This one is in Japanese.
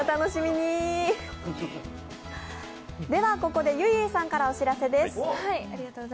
ここでゆいゆいさんからお知らせです。